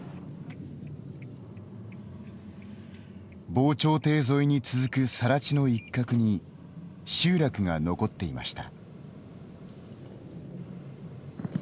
防潮堤沿いに続くさら地の一角に集落が残っていました。